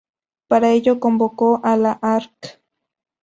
Para ello convocó a la arq.